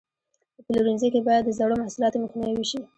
په پلورنځي کې باید د زړو محصولاتو مخنیوی وشي.